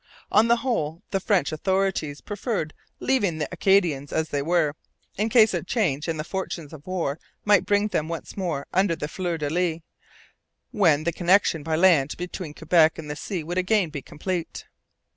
On the whole, the French authorities preferred leaving the Acadians as they were, in case a change in the fortunes of war might bring them once more under the fleurs de lis, when the connection by land between Quebec and the sea would again be complete.